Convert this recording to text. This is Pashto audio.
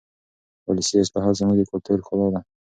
ولسي اصطلاحات زموږ د کلتور ښکلا ده.